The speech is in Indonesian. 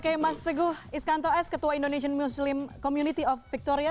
terima kasih mas regu iskanto s ketua indonesian muslim community of victoria